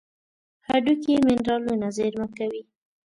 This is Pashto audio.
هډوکي منرالونه زیرمه کوي.